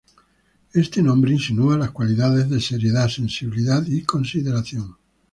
Este nombre insinúa las cualidades de seriedad, sensibilidad y consideración.